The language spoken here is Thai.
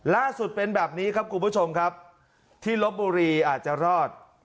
ล่าสุดเป็นแบบนี้ครับคุณผู้ชมครับที่ลบบุรีอาจจะรอด